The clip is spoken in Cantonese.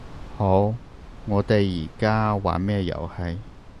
好，我哋而家玩咩遊戲